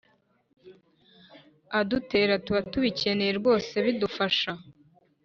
Adutera tuba tubikeneye rwose bidufasha